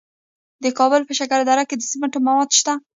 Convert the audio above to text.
د کابل په شکردره کې د سمنټو مواد شته.